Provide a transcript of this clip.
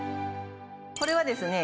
これはですね